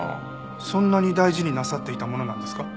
そんなに大事になさっていたものなんですか？